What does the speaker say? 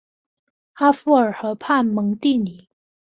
阿夫尔河畔蒙蒂尼。